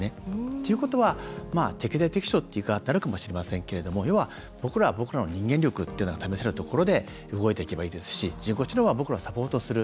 ということは適材適所っていうかあたるかもしれないですけれど要は、僕らは僕らの人間力っていうのが試されるところで動いていけばいいですし人工知能は僕らをサポートする。